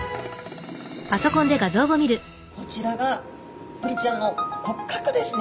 こちらがブリちゃんの骨格ですね。